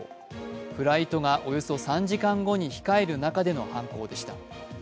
フライトがおよそ３時間後に控える中での犯行でした。